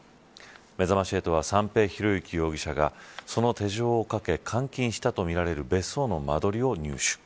めざまし８は三瓶博幸容疑者がその手錠をかけ監禁したとみられる別荘の間取りを入手。